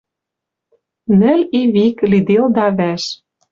Нӹл и вик лиделда вӓш.